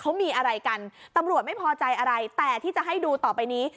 เขามีอะไรกันตำรวจไม่พอใจอะไรแต่ที่จะให้ดูต่อไปนี้